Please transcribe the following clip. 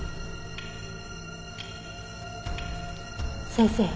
先生。